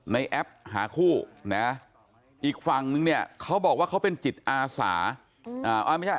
แอปหาคู่นะอีกฝั่งนึงเนี่ยเขาบอกว่าเขาเป็นจิตอาสาไม่ใช่